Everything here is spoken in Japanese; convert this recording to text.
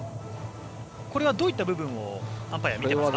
これはどういった部分をアンパイア見てますか。